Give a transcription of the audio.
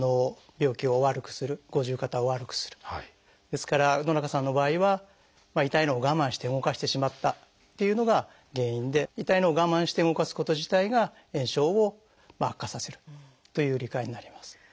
ですから野中さんの場合は痛いのを我慢して動かしてしまったっていうのが原因で痛いのを我慢して動かすこと自体が炎症を悪化させるという理解になります。